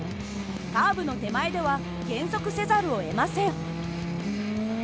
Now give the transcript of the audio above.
カーブの手前では減速せざるをえません。